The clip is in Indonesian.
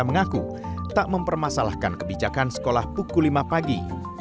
mengaku tak mempermasalahkan kebijakan sekolah pukul lima pagi